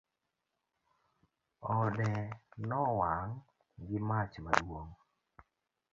Ode nowang' gi mach maduong'